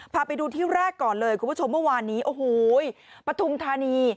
พาไปดูที่แรกก่อนเลยคุณผู้ชมเมื่อวานนี้โอ้โหปฐุมธานี